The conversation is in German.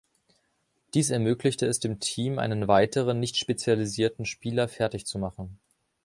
Dies ermöglichte es dem Team, einen weiteren nicht spezialisierten Spieler fertig zu machen.